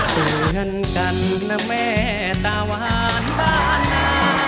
สนุกนะแม่ตาวานบ้านหน้า